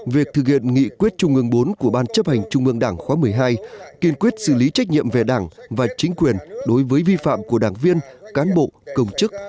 việc thực hiện nghị quyết trung ương bốn của ban chấp hành trung ương đảng khóa một mươi hai kiên quyết xử lý trách nhiệm về đảng và chính quyền đối với vi phạm của đảng viên cán bộ công chức